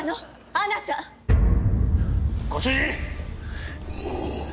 あなた！ご主人！